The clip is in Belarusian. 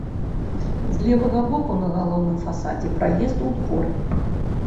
З левага боку на галоўным фасадзе праезд у двор.